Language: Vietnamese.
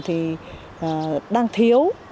thì đang thiếu